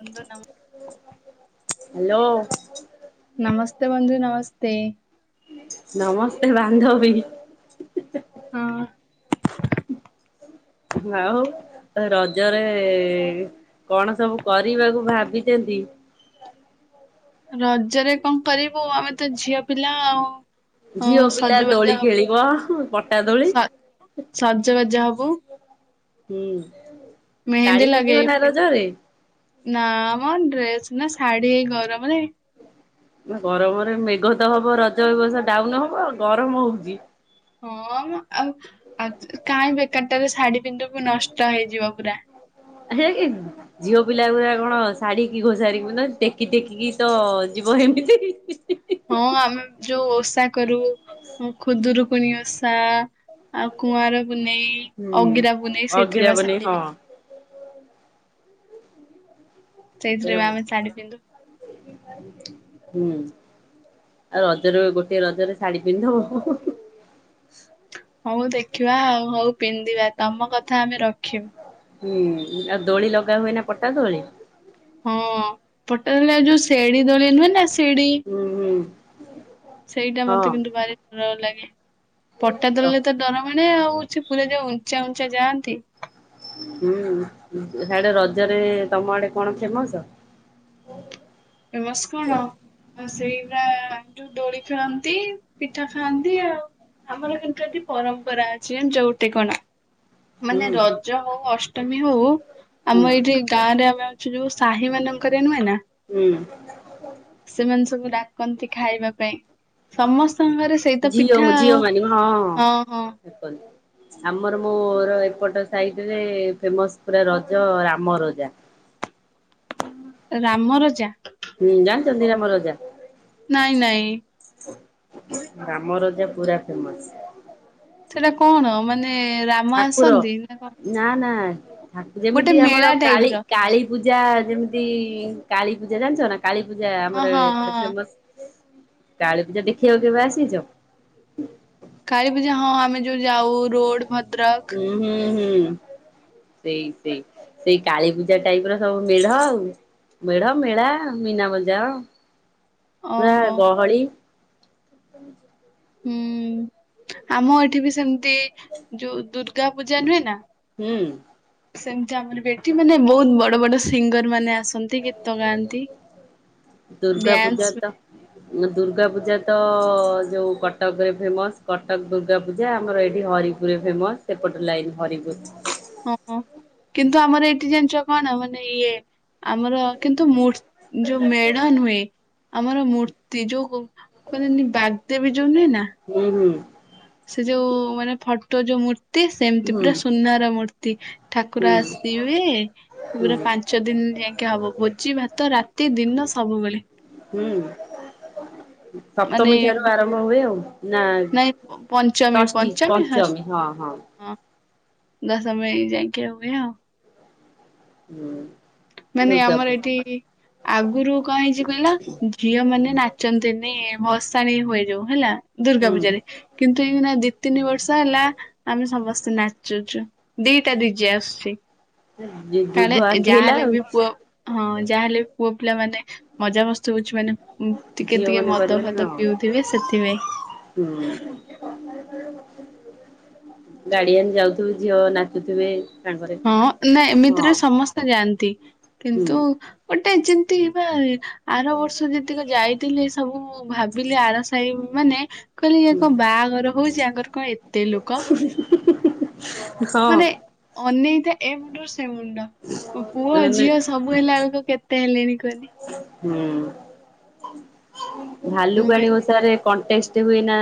ବନ୍ଦ ନାମ। [inaudible] ହ୍ୟାଲୋ। [unintelligible] ନମସ୍ତେ। ନମସ୍ତେ ବାନ୍ଧବୀ। [inaudible] ହଁ [unintelligible] ଆଉ ତ ରଜରେ [inaudible] କଣ ସବୁ କରିବାକୁ ଭାବୁଚନ୍ତି। [inaudible] ରଜରେ କଣ କରିବୁ ଆମେ ତ ଝିଅ ପିଲା ଆଉ। ହଁ ଝିଅ ପିଲା ସଜବାଜ ଦୋଳି ଖେଳିବ ପଟା ଦୋଳି। ସ ସଜବାଜ ହବୁ [inaudible] ହୁଁ। ଶାଢୀ ମେହେନ୍ଦୀ ପିନ୍ଧିବ ନା ଲଗେଇବୁ ରଜରେ [inaudible] ନା ଆମର ଡ୍ରେସ। ନା ଶାଢୀ ଏଇ ଗରମରେ। ଗରମରେ ମେଘ ତ ହବ ରଜ ଏବର୍ଷ ଡାଉନ ହବ ଆଉ ଗରମ ହଉଚି। ହଁମ ଆଉ ଆ କାହିଁ ବେକାରଟାରେ ଶାଢୀ ପି ନ୍ଧିବୁ ନଷ୍ଟ ହେଇଯିବ ପୁରା। [inaudible] ପିଲାଉରା କଣ ଶାଢୀ କି ଘୋଷାାରି ରବୁନା ଟେକି ଟେକିକି ତ ଯିବ ହେମିତି। ହଁ ଆମେ ଯୋଉ ପୁଣି ଆ ଶା ଆଉ କୁଆଁର ପୁନେଇଁ ହୁଁ ଅଗିରା ପୁନେଇଁ ସେଇଥିରେ ଅଗିରା ବା ବନେଇ ସାଢି ହଁ ପିନ୍ଧ [inaudible] ସେଇଥିରେ ବି ଆମେ ଶାଢୀ ପିନ୍ଧୁ। ହୁଁ [inaudible] ଆଉ ରଜରେ ଗୋଟେ ରଜରେ ଶାଢୀ ପିନ୍ଧିଦବ। [inaudible] ହଉ ଦେଖିବା ଆଉ ହଉ ପିନ୍ଧିବା ତମ କଥା ଆମେ ରଖିବୁ। ହୁଁ ଆଉ ଦୋଳି ଲଗା ହୁଏ ନା ପଟା ଦୋଳି? ହଁ ପଟା ଦୋଳି ଆଉ ଯୋଉ ଶେଢୀ ଦୋଳି ନୁହେଁ ନା। ଶିଡି ହୁଁ ହୁଁ [inaudible] ସେଇଟା ହଁ। ମତେ କିନ୍ତୁ ଭାରି ର ଲାଗେ। ପଟା ଦୋଳିରେ ତ ଡର ମାଡେ ଆଉ। ସେ ପୁରା ଯ ଉଞ୍ଚା ଉଞ୍ଚା ଯାଆନ୍ତି। ହୁଁ ସିଆଡେ ରଜରେ ତମ ଆଡେ କଣ ଫେମସ। [inaudible] ଫେମସ୍ କଣ ସେଇ ବା ଦୋଳି ଖେଳନ୍ତି ପିଠା ଖାଆନ୍ତି, ଆଉ ଆମର କିନ୍ତୁ ଏଠି ପରମ୍ପରା ଅଛି, ଯୋଉ ଗୋଟେ କଣ। ହୁଁ ମାନେ ରଜ ହଉ ଅଷ୍ ଟମି ହଉ। ହୁଁ ଆମ ଏଇଠି ଗାଁ ରେ ଆମେ ଅଛୁ ଯୋଉ ସାହି ମାନଙ୍କରେ ନୁହେଁ ନା। ହୁଁ ସେମାନେ ସବୁ ଡାକ୍ କନ୍ତି ଖାଇବା ପାଇଁ। ସମସ୍ତଙ୍କଘରେ ସେଇତ ଝିଅ ପିଠା ଝିଅ ଆଉ ମାନେ ହଁ ହଁ। ହଁ। ଆମର ମୋର ଏପଟ ସାଇଟରେ ଫେମସ ପୁରା ରଜ ରାମ ରଜା। ରାମ ରଜା। ହୁଁ ଜାନି ଚନ୍ତି ରାମ ରଜା। ନାଇଁ ନାଇଁ ରାମ ରଜା ପୁରା ଫେମସ। ସେଟା କଣ ମାନେ ରାମ ଆସନ୍ତି ନା କଣ। ଠାକୁ ଗୋଟେ ଯେମିତି ଆମର ମେଳା ଟାଇପ କାଳି ର କାଳି। ପୂଜା ଯେମିତି କାଳୀ ପୂଜା ଜାଣିଚ ନା। କାଳୀପୂଜା ହଁ ଆମର ହଁ ଏଇପଟେ ହଁ। ଫେମସ୍। କାଳୀ ପୂଜା ଦେଖିବାକୁ କେବେ ଆସିଚ। କାଳୀପୂଜା ହଁ ଆମେ ଯୋଉ ଯାଉ ରୋଡ ଭଦ୍ରକ। ହୁଁ ହୁଁ ହୁଁ ସେଇ ସେଇ ସେଇ ସେଇ କାଳୀ ପୂଜା ଟାଇପ ର ସବୁ ମେଢ ଆଉ ମେଢ ମେଳା ମୀନା ମଜାଅ। ପୁରା ଓହୋ ଗହଳି। [unintelligible] ହୁଁ ଆମ ଏଠି ବି ସେମିତି ଯୋଉ ଦୁର୍ ର୍ଗା ପୂଜା ନୁହେଁ ନା। ହୁଁ ସେମିତି ଆମରବି ଏଠି ମାନେ ବହୁତ ବଡ ବଡ ସିଙ୍ଗର ମାନେ ଆ ଆସନ୍ତି ଗୀତ ଗାନ୍ତି ବ୍ୟାନ୍ସ ବି ଦୁର୍ଗାପୂଜା ତ ଯେଉ କଟକରେ ଫେମସ୍ କଟକ ଦୁର୍ଗାପୂଜା ଆମର ଏଇଠି ହରିପୁରରେ ଫେମସ୍ ସେପଟ ଲାଇନ୍ ହରିପୁର। ହଁ ହଁ କିନ୍ତୁ ଆମର ଏଇଠି ଜାଣିଚ କଣ ମାନେ ଇଏ ଆମର କିନ୍ତୁ ମୂର୍ ଯୋ ମେଢନୁଏ। ଆମର ମୂର୍ତ୍ତି ଯୋଉ ମୁଁ କହିଲିନି ବାଗ ଦେବି ଯୋଉ ନୁହଁନା ହୁଁ ହୁଁ ସେ ଯୋଉ ମାନେ ଫଟୋ ଯୋଉ ମୂର୍ ତି ସେମତି ହୁଁ ପୁରା ସୁନାର ମୂର୍ ତି ଠାକୁର ହୁଁ ଆସିବେ ଏ ପୁରା ହୁଁ ପାଞ୍ଚ ଦିନ ଯାକେ ହବ ଭୋଜି ଭାତ ରାତି ଦିନ। ସବୁବେଳେ। ହୁଁ ମାନେ ସପ୍ତମୀ ଠାରୁ ଆରମ୍ଭ ହୁଏ ଆଉ। ନା ନାଇଁ ପଞ୍ଚମୀ ଷଷ୍ଠୀ ପଞ୍ଚମୀ ହ ହଁ ହଁ ଦଶମୟୀ ଯାଙ୍କେ ହୁଏ ଆଉ। ହୁଁ। ମାନେ ଦୁର୍ଗା ଆମର ପୂ ଏଇଠି ଆଗରୁ କଣ ହେଇଛି କହିଲା ଝିଅ ମାନେ ନାଚନ୍ତିନି। ଭର୍ଷାଣି ହୁଏ ଯାଉ ହେଲା ଦୁର୍ଗା ହୁଁ ପୂଜାରେ କିନ୍ତୁ ଏଇନା ଦେଖ୍ ତିନି ବର୍ଷ ହେଲା ଆମେ ସମସ୍ତେ ନାଚୁଛୁ ଦିଟା ଦିଜେ ଆସୁଛି। ଯୁ କାଳେ ଯୁଗୁ ଆଗେଇଲା ଯାହାହେଲେ ବି ଆଉ ପୁଅ ହଁ ଯାହାହେଲେ ପୁଅ ପିଲା ମାନେ ମଜା ମସ୍ତ ହଉଛି ମାନେ ଟିକେ ଝିଅ ଟିକେ ମାନେ ମଦ କରିବେ ଫଦ ହଁ ପିଉଥିବେ ସେଥିପାଇଁ ହୁଁ ଗାଡିଆନ ଯାଉଥିବେ ଝିଅ ନାଚୁଥିବେ ସାଙ୍ଗରେ ହଁ ନା ହଁ ଏମିତିରେ ସମସ୍ତେ ଯାଆନ୍ତି ହୁଁ କିନ୍ତୁ? ଗୋଟେ ଯେମିତି ବା ଆର ବର୍ଷ ଯେତିକ ଯାଇଥିଲେ। ସବୁ ଭାବିଲେ ଆରସାଇ ମାନେ କହିଲେ ଇଏ ହୁଁ ତ ବାହାଘର ହଉଛି ଆଙ୍କର କଣ ଏତେ ଲୋକ ହୁଁ ହୁଁ ହଁ। କ ଏ ମୁଣ୍ଡୁରୁ ସେ ସେ ମୁଣ୍ଡ ମୋ ପୁଅ ମାନେ ଝିଅ ସବୁ ହେଲା ବେଳକୁ କେତେ ହେଲେଣି କହିଲେ ହୁଁ। ମୁଁ ଭାଲୁକାଣି କହିଲି ଓଷାରେ କଣ୍ଟେସ ହୁଏନା?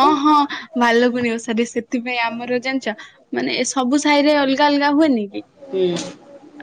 ହଁ ହଁଭକୁକୁଣି ଓଷା ରେ ସେଥିପାଇଁ ଆମର ଜାଣିଛ ମାନେ ଏସବୁ ସବୁ ସାାଇରେ ଅଲଗା ଅଲଗା ହୁଏନି କି ହୁଁ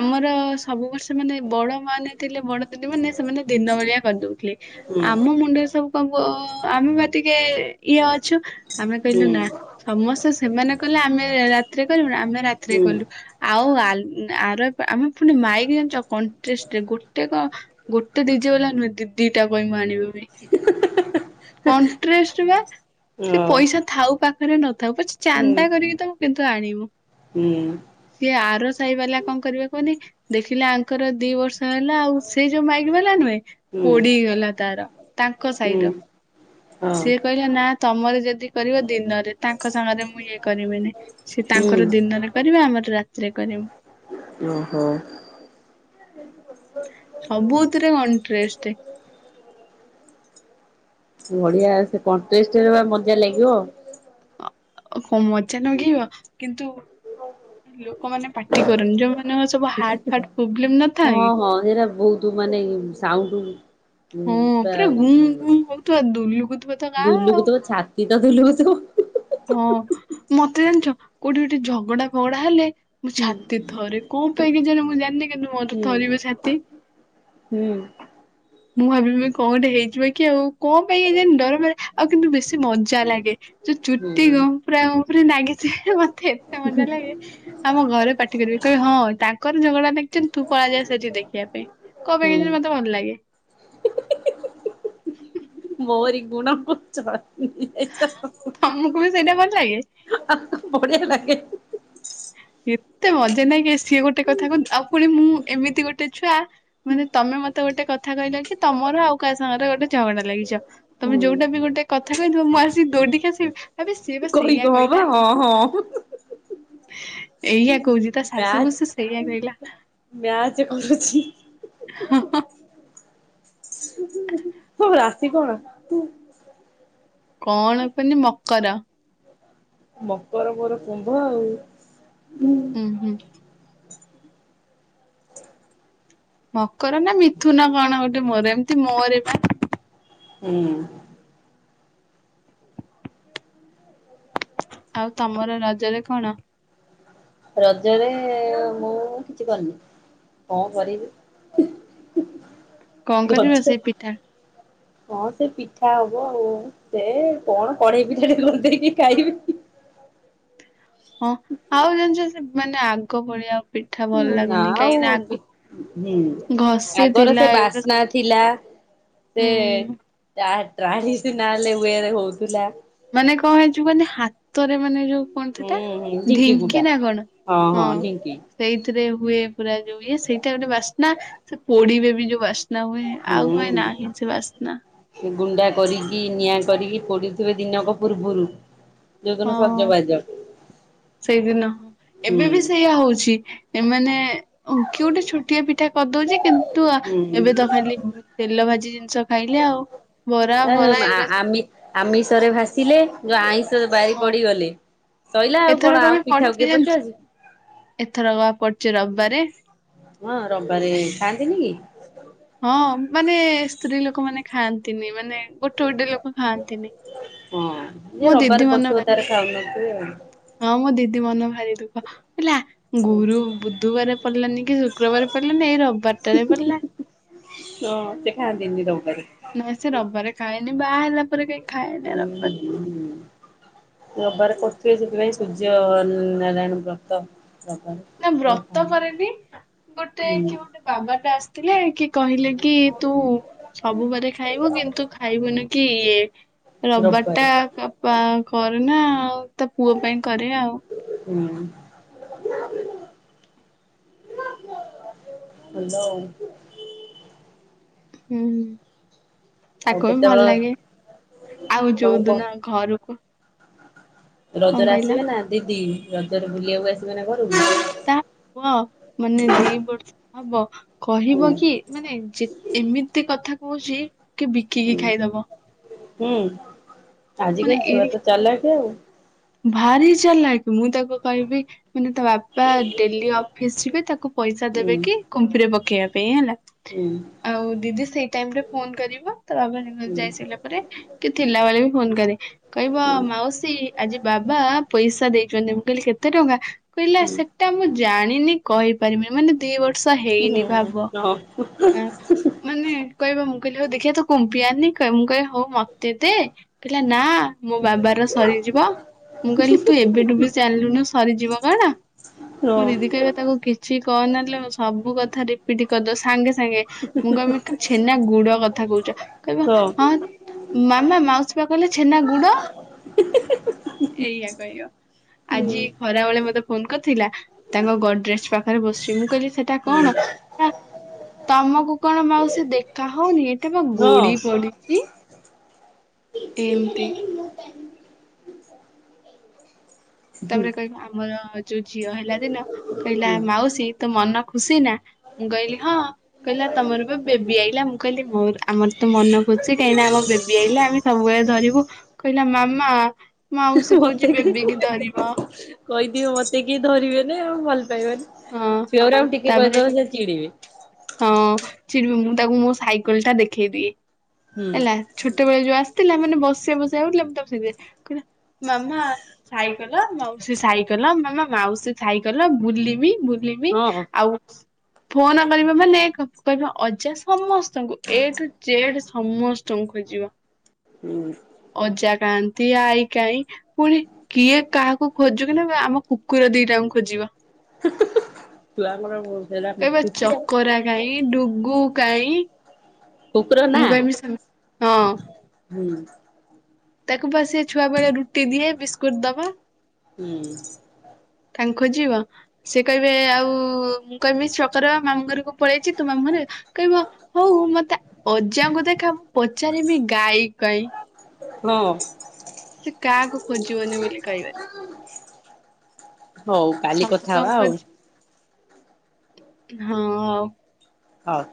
ଆମର ସବୁ ବର୍ଷ ମାନେ ବଡ ମାନେ ଥିଲେ ବଡ ଦିଦି ମାନେ ସେମାନେ ଦିନ ବେଳିଆ କରିଦଉଥିଲେ ହୁଁ ଆମ ମୁଣ୍ଡରେ ସବୁ କଣ ଆମେ ବା ଟିକେ ଇଏ ଅ ଛୁ ଆମେ ହୁଁ କହିଲୁ ନା ସମସ୍ତେ ସେମାନେ କହିଲେ ଆମେ ରାତିରେ କରିବ ଆମେ ରାତିରେ ହୁଁ କଲୁ ଆଉ ଆ ଆର ଆମେ ପୁଣି ମାଇକ୍ ଜାଣିଛ କଣ୍ଟେଷ୍ଟରେ ଗୋଟେକ ଗୋଟେ ଡିଜେ ବଲା ନୁହେଁ ଦିଟା କହି ମୁଁ ଆଣିବି? ହୁଁ ହୁଁ ହୁଁ। କଣ୍ଟ୍ରେଷ୍ଟ ପା ସେ ଓ ପଇସା ଥାଉ ପା ହରେ ନ ଥାଉ ପଛେ ହୁଁ ଚାନ୍ଦା କରିକି ତମ କେ ତୁ ଆଣିବୁ। ହୁଁ ସିଏ ଆର ସାହିବାଲା କଁ କରିବେ କୁହନି ଦେଖିଲା ଆଙ୍କର ଦି ବର୍ଷ ହେଲା ଆଉ ସେ ଯୋଉ ମାଇକ ବାଲା ନୁହେଁ ହୁଁ ପୋଡିି଼ଗଲା ତାର ତାଙ୍କ ହୁଁ ସାଇର ହଁ ସିଏ କହିଲା ନାଁ ନାଁ ତମର ଯ ଦି କରିବ ଦିନରେ ତାଙ୍କ ସାଙ୍ଗରେ ମୁଁ ଇଏ କରିମିନି ସିଏ ହୁଁ ତାଙ୍କର ଦିନରେ କରିବେ ଆମର ରାତିରେ କରିମୁ। ଓହୋ। ସବୁଥିରେ କଣ୍ଟ୍ରେଷ୍ଟ। ବଢ଼ିଆ ଆଉ ସେ କଣ୍ଟ୍ରେଷ୍ଟରେ ପା ମଜା ଲାଗିବ। ଅ ମଜା ନାଗେଇବ କିନ୍ତୁ ଲୋକମାନେ ପାଟି କରନ୍ତି ଯୋଉମନଙ୍କର ସବୁ ହାଟ୍ ଫାଟ୍ ପୋବଲେମ୍ ନଥାଏ ହଁ କି ହଁ ହେରା ବହୁତ ମାନେ ସାଉଣ୍ଡ ହଁ ପୁରା ଗୁଁ ଗୁଁ ହୋଉଥୁବ ଦୁଲୁକୁୁଥୁବ ତ ଗାଁ ଆଉ। ଦୁଲୁକୁଥିବ ଛାତି ତ ଦୁଲୁକୁଥିବ। ହଁ ମତେ ଜାଣିଚ କୋଉଠି ଗୋଟେ ଝଗଡ଼ା ଫଗଡ଼ା ହେଲେ ମୋ ହୁଁ ଛାତି ଥରେ କଁ ପାଇଁ କେଜାଣେ ମୁଁ ଜାଣିନି କିନ୍ତୁ ମୋର ତ ହୁଁ ଥରିବ ଛାତି। ହୁଁ ମୁଁ ଭାବିମି କଁ ଗୋଟେ ହେଇଯିବ କି ଆଉ। କଁ ପାଇଁ କେଜାଣେ ଡର ମାରେ ଆଉ କିନ୍ତୁ ବେଶୀ ମଜା ଲାଗେ। ଯୋଉ ଚୁଟି ହୁଁ ଗ ଉମ୍ପୁରା ଉମ୍ପୁରି ନାଗି ଚେ ମ ତେ ଏତେ ମଜା ଲାଗେ ଆମ ଘରେ ପାଟି କରିବେ କହିବେ ହଁ ତାଙ୍କର ଝଗଡ଼ା ଲାଗିଚନ୍ତି ତୁ ପଳା ଯା ସେଇଠି ଦେଖିବା ପାଇଁ କଁ ପାଇଁ ହୁଁ। କେଜାଣି ମତେ ଭଲ ଲାଗେ। [unintelligible] ଓରି ଗୁଣ ପଚ ତମକୁ ବି ସେଇଟା ଭଲ ଲାଗେ? ବଢ଼ିଆ ଲା ଗେ ଏତେ ମଜାନାଗେ ସିଏ ଗୋଟେ କଥା କୁହନ୍ତି ଆଉ ଫୁଣି ମୁଁ ଏମିତି ଗୋଟେ ଛୁଆ ମାନେ ତମେ ମତେ ଗୋଟେ କଥା କହିଲ କି ତମର ଆଉ କାହା ସାଙ୍ଗରେ ଗୋଟେ ଝଗଡ଼ା ଲାଗିଚ। ତମେ ହୁଁ ଯୋଉଟା ବି ଗୋଟେ କଥା କହିଥିବ ମୁଁ ଆସି ଦୌଡ଼ିକି ଆସିବି ଆବେ ସିଏ ବା ସେଇଆ କହିବ ହଁ ବା କହିଲା ହଁ ହଁ। ଏଇଆ କହୁଛି ତା ଶାଶୁକୁ ମ୍ୟାଚ ସେ ସେଇଆ କହିଲା ମ୍ୟାଚ କରୁଚି। ହଁ ହଁ। ତୋ ରାସି କଣ? କଣ ପେନି ମକର। ମକର ମୋର କୁମ୍ଭ ଆଉ । ହୁଁ ହୁଁ । ମ କର ନା ମିଥୁନ କଣ ଗୋଟେ ମୋର ଏମତି ମ ରେ ବା । ହୁଁ। ଆଉ ତମର ରଜରେ କଣ? ରଜରେ ମୁଁ କିଛି କରିନି କଣ କରିବି । କଣ କରିବା ସେଇ ପିଠା । ହଁ ସେ ପିଠା ହବ ଆଉ ସେ କଣ କଢେଇ ପିଠାଟେ କରିଦେଇକି ଖାଇବି । ହଁ ଆଉ ଜାଣିଚ ସେ ମାନେ ଆଗ ଭଳିଆ ଆଉ ପିଠା ଭଲ ନା ଲାଗୁନି ଆଉ କାହିଁକି ନା ଆଗ ପି ହୁଁ ଘଷି ଆଗର ଥିଲା ସେ ଏଗୁଡା ବାସ୍ନା ଥିଲା ସେ ହୁଁ ତା ଟ୍ରାଡିସନାଲ ଓଏ ରେ ହଉଥିଲା। ମାନେ କଣ ହେଇଚି କୁହନି ମାନେ ହାତରେ ମାନେ ଯୋଉ କଣ ହୁଁ ସେଇଟା ହୁଁ କୁଟା ଢିଙ୍କି ନା କଣ ହଁ ସେଇଥିରେ ହୁଏ ପୁରା ଯୋଉ ଇଏ ସେଇଟା ଗୋଟେ ବାସ୍ନା ସେ ପୋଡିବେ ବି ଯୋଉ ବାସ୍ ନା ହୁଏ ଆଉ କାଇଁ ନାହିଁ ସେ ବାସ୍ନା। ସେ ଗୁଣ୍ଡା କରିକି ନିଆଁ କରିକି ପୋଡ଼ିଥିବେ ଦିନକ ପୂର୍ବରୁ। ହଁ ଯୋଉଦିନ ସଜବାଜ। ସେଇଦିନ ହଁ ହୁଁ ଏବେ ବି ସେଇଆ ହଉଛି ଏମାନେ ଓ କି ଗୋଟେ ଛୋଟିଆ ପିଠା କରିଦଉଛି କିନ୍ତୁ ହୁଁ। ଏବେ ତ ଖାଲି ତେଲ ଭାଜି ଜିନିଷ ଖାଇଲେ ଆଉ। ବରା ଆ ଫରା ଆ ଏଗୁଡା ଆମି ଆମିଷରେ ଭାସି ଲେ ଯୋଉ ଆଇଁଷ ଯୋଉ ବାରି ହଁ ପଡିଗଲେ ସଇଲା ଆଉ କଣ ଏଥରକ ବି ଆଉ ପିଠାକୁ ପଡିଛି କିଏ ଜାଣିଛୁ ପଚାରୁଛି। ଏଥରକ ବା ପଡୁଛି ରବିବାରେ। ହଁ ରବିବାରେ ଖାଆନ୍ତିନି କି? ହଁ ମାନେ ସ୍ତ୍ରୀ ଲୋକମାନେ ଖାଆନ୍ତିନି ମାନେ ଗୋଟେ ଗୋଟେ ଲୋକ । ଖାଆନ୍ତିନି ହଁ ଯିଏ ମୋ ରବିବାର ଦିଦି ମନ କରୁଥିବ ଭାରି ତାର ଖାଉନଥିବେ ଆଉ। ଦୁଃଖ ହଁ ମୋ ଦିଦି ମନ ଭାରି ଦୁଃଖ। [unintelligible] ଇଲା ଗୁରୁ ବୁଧବାର ପଡିଲାନି କି ଶୁକ୍ରବାର ପଡିଲାନି ଏଇ ରବିବାରଟାରେ ପଡିଲା। ହଁ ସେ ଖାଆନ୍ତିନି ରବି ନାଇଁ ସେ ରବିବାରେ ଖାଏନି ବାହା ହେଲା ପରେ କାଇଁ ଖାଏନା ହୁଁ ରବିବାରେ ହୁଁ ରବିବାରେ ତ ସିଏ ସେଥିପାଇଁ ସୂର୍ଯ୍ୟ ନାରାୟଣ ବ୍ରତ ରବିବାରେ। ନା ସେଥିପାଇଁ ବ୍ରତ ଖାଆନ୍ତି କରେନି ଗୋଟେ ହୁଁ କିଏ ଗୋଟେ ବାବା ଟା ଆସିଥିଲେ କି କହିଲେ କି ତୁ ସବୁ ବାରେ ଖାଇବୁ କିନ୍ତୁ ଖାଇବୁନ କି ଇଏ ରବିବାରେ ରବାର ଟା ନା ଆଉ ତା ପୁଅ ପାଇଁ କରେ ଆଉ। ହୁଁ ହାଲୋ। ହୁଁ ହୁଁ। ଆଉ ତାକୁ ବି କେତେବେଳେ ଭଲ ଲାଗେ ଆଉ ଯୋଉ ତମକୁ ଦିନ ଘରକୁ କଣ ରଜରେ କହିଲ ଆସିବେ ନା ଦିଦି। ରଜରେ ବୁଲିବାକୁ ଆସିବେ ନା ଘରକୁ? ତା ପୁଅ ମାନେ ଦି ବର୍ଷ ହବ ହୁଁ କହିବ କି ମାନେ ଯେ ଏମିତି କଥା ହୁଛିି କି ବିକିକି ହୁଁ ଖାଇଦବ। ମାନେ ଆଜିିକାଲି ଛୁଆ ଏଇ ତ ଚାଲାକ [inaudible] ଭାରି ଚାଲାକ। ମୁଁ ତାକୁ କହିବି ମାନେ ତା ବାପା ଡେଲି ଅଫିସ ଯିବେ। ତାକୁ ପଇସା ହୁଁ ଦେବେ କି କୁମ୍ପିରେ ପକେଇବା ଏଇୟା ନା ହୁଁ ଆଉ ଦିଦି ସେଇ ଟାଇମ ରେ ଫୋନ କରିବ। ତା ବାବା ହୁଁ ଯାଇ ସାରିଲା ପରେ। କି ଥିଲା ବେଳେ ବି ଫୋନ କରେ। କହିବ ହୁଁ ମାଉସୀ ବାବା ପଇସା ଦେଇଛନ୍ତି। ମୁଁ କହିଲି କେତେ ଟଙ୍କା? କହିଲା ହୁଁ ସେଟା ମୁଁ ଜାଣିନି କହିପାରିବିନି। ମାନେ ଦି ବର୍ଷ ହୁଁ ହେଇନି ଭାବ ହଁ ହଁ ଆ ମାନେ କହିବା ମୁଁ କହିଲି ଦେଖିବା ତ କ ବିୟାନି କହେ ମୁଁ କହେ ହଉ ମତେ ଦେ ପହିଲା ନା। ମୋ ବାବା ର ଶରୀ ଯବ, ମୁଁ କହିଲି ତୁ ଏବେଠୁ ବି ଚାଲିଲୁନୁ ସରିଯିବ କଣ ମୋ ଦିଦି କହିବା ତାକୁ କିଛି କିଛି କହ ନହେଲେ ସବୁ କଥା ରିପିଟ୍ କରିଦ ସାଙ୍ଗେ ସାଙ୍ଗେ। ମୁଁ କହମି ଛେନା ଗୁଡ କଥା କହୁଛି ଚ କହିବ ହଁ ମାମା ମାଉସୀ ପା କହିଲେ ଛେନା ଗୁଡ। ଏଇଆ କହିବ ହୁଁ ଆଜି ଖରା ବେଳେ ମତେ ଫୋନ କରିଥିଲା ତାଙ୍କ ଗଡ୍ରେଜ ପାଖରେ ବସିଚି, ମୁଁ କହିଲି ସେଟା କଣ ତମକୁ କଣ ମାଉସ ଦେଖା ହଉନି ଏଟା ବା ଗୋଡି ହଁ ପଡିଚି। ତିମ ତି [unintelligible] ତାପରେ କହିବା ଆମର ଯୋଉ ଝିଅ ହେଲା ଦିନ କହିଲା ହୁଁ ମାଉସୀ ତତୋ ମନ ଖୁସି ନା ମୁଁ କହିଲି ହଁ କହିଲା ତମର ଏ ବେବି ଆଇଲା ମୁଁ କହିଲି ମୋର ଆମର ତ ମନ ଖୁସି ଅଛି କାହିଁକି ଆମ ବେବି ଆଇଲା ଆମେ ସବୁବେଳେ ଧରିବୁ କହିଲା ମା ମା ମାଉସି ମତେ କହୁଚି କି ବେବିକିି ଧରି କହିଦିଅ ମ ତେ କିଏ ଧରିବେନି ଆଉ କହିବନି ହଁ ଛୁଆରାଙ୍କୁ ଟିକେ ତାପରେ କହିଦବ ସେ ଚିଡ଼ିବେ ହଁ ଚିଡି ମୁଁ ତାକୁ ମୁଁ ସାଇକେଲ ଟା ଦେଖେଇଦିଏ। ହୁଁ ହେଲା ଛୋଟବେେଳେ ଯୋଉ ଆ ଥିଲା ମାନେ ବସିବା ବସିବା ହୋଉଥିଲା ମୁଁ ତାକୁ କହିଲା ମାମା ସାଇକେଲ ମାଉସୀ ସାଇକେଲ ମାମା ମାଉସୀ ସାଇକେଲ ବୁଲମି ବୁଲି ବୁଲିମି ହଁ ଆଉ ଫୋନ କରିବା ମାନେ କରିବା ଅଜା ସମସ୍ତଙ୍କୁ ଏଠୁ ଜେଡ୍ ସମସ୍ତଙ୍କୁ ଖୋଜିବ। ହୁଁ ଅଜା କା ତିଆ ଆଇ କାଇଁ ପୁଣି କିଏ କାହାକୁ ଖୋଜୁ କି ନା ଆମ କୁକୁର ଦିଟାଙ୍କୁ ଖୋଜିବ। ଛୁଆଲୋକ ସେଇରା ଖୁସି ଆଉ କୋରା କାଇଁ ଡୁ ଗୁ କାଇଁ କୁକୁର ନାଁ ମୁଁ କହିବି ସେ ହଁ ହୁଁ। ତାକୁ ପା ସେ ଛୁଆ ବେଳେ ରୁଟି ଦିଏ ବିସ୍କୁଟ ଦବ। ହୁଁ। ତାଙ୍କୁ ଖୋଯିବ ସେ କହିବେ ଆଉ ମୁଁ କହିବି ଚକରା ମାମୁଁ ଘରକୁ ପଳେଇଚି ତୁ ମାମୁଁ ଘରେ କହିବ ହୋଉ ମତେ ଅଜାଙ୍କୁ ଦେଖା ମୁଁ ପଚାରିବି ଗାଈ କାଇଁ ହଁ। ସେ କାହାକୁ ଖୋଜିବନି ବୋଲି କହିବନି ହଉ କାଲି କଥା ହବା ସମସ୍ତଙ୍କୁ ଆଉ ଖୋଜି ହଁ ଆଉ ହୋଉ।